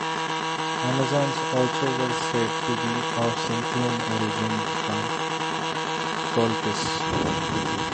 Amazons also were said to be of Scythian origin from Colchis.